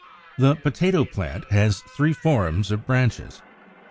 The Potato plant has three forms of branches: 1.